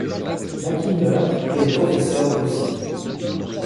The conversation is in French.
Maki meurt et le professeur aussi.